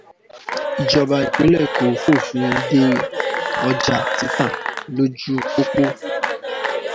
Ìjọba ìpìnlẹ̀ Èkó fòfin de ọjà títà lójú pópó.